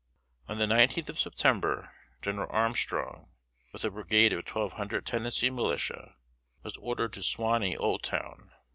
On the nineteenth of September, General Armstrong, with a brigade of twelve hundred Tennessee militia, was ordered to Suwanee "Old Town."